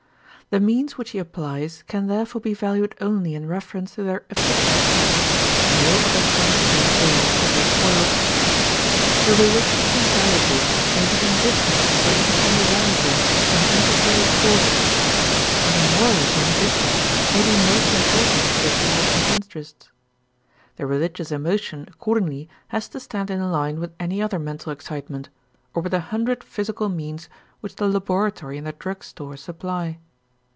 The means which he applies can therefore be valued only in reference to their efficiency; no other point of view belongs to his world. The religiously valuable may be indifferent or even undesirable in the interplay of causes, and the morally indifferent may be most important for the physician's interests. The religious emotion accordingly has to stand in line with any other mental excitement or with a hundred physical means which the laboratory and the drug store supply.